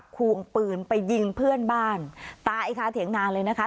ควงปืนไปยิงเพื่อนบ้านตายคาเถียงนาเลยนะคะ